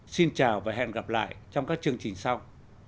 xin chào và hẹn gặp lại trong các chương trình sau